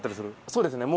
そうですね